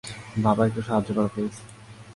বাবা, একটু সাহায্য করো, প্লিজ?